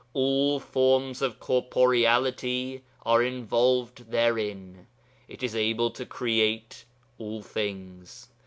All forms of corporeality are involved therein; it is able to create all things.